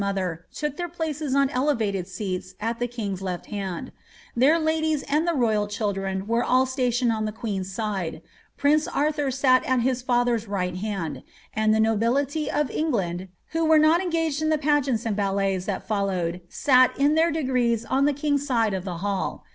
other, took their places on elevated seats at the king's lefl hand, their ladies and the royal children were all stationed on the queen's side, prince Arthur sat at his father's right hand, and the nobility of England who were not engaged in the pageants and ballets that followed sat in their degrees on the king^s side of the hall.